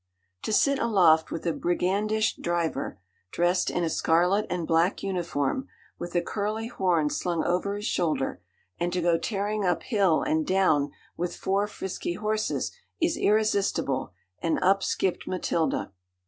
'To sit aloft with a brigandish driver dressed in a scarlet and black uniform, with a curly horn slung over his shoulder, and to go tearing up hill and down with four frisky horses, is irresistible,' and up skipped Matilda.